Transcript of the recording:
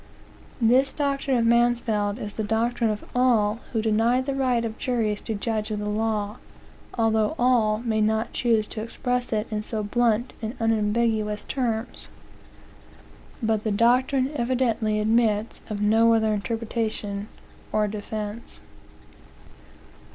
This doctrine of Mansfield is the doctrine of all who deny the right of juries to judge of the law, although all may not choose to express it in so blunt and unambiguous terms. But the doctrine evidently admits of no other interpretation or defence.